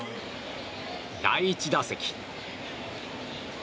第１打席。